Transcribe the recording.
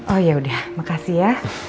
oh yaudah makasih ya